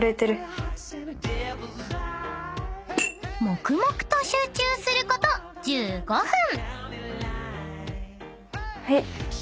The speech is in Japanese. ［黙々と集中すること１５分］